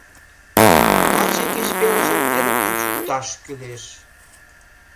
Таче кеч пелыжым эрыктен шукташ кӱлеш!